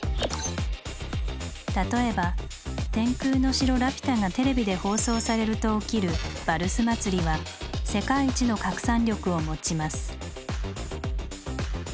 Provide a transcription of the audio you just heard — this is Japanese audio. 例えば「天空の城ラピュタ」がテレビで放送されると起きる「バルス祭り」は世界一の拡散力を持ちます。